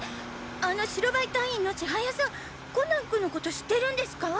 あの白バイ隊員の千速さんコナン君の事知ってるんですか！？